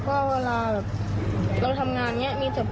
ตอนทำงานมากมีแค่บุ๊บแล้วก็ต้องวิ่งมาทำ